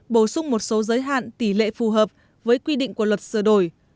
bổ sung một số giới hạn tỷ lệ phù hợp với quy định của luật sửa đổi